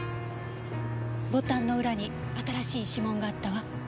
ボタンの裏に新しい指紋があったわ。